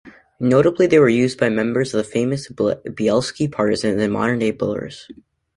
Notably they were used by members of the famous "Bielski partisans" in modern-day Belarus.